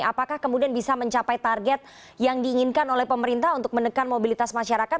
apakah kemudian bisa mencapai target yang diinginkan oleh pemerintah untuk menekan mobilitas masyarakat